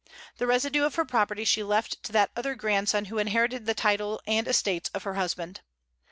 The residue of her property she left to that other grandson who inherited the title and estates of her husband.